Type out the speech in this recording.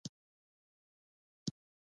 اکبر جان ور پسې و.